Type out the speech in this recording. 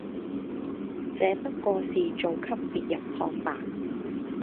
這不過是做給別人看吧！